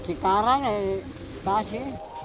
nah sekarang ya di kabupaten bekasi